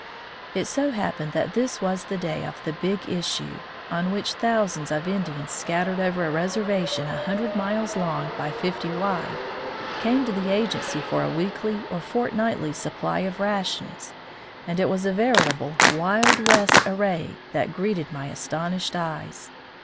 It so happened that this was the day of the "Big Issue," on which thousands of Indians scattered over a reservation a hun dred miles long by fifty wide, came to the agency for a weekly or fortnightly supply of rations, and it was a veritable "Wild West" array that greeted my astonished eyes.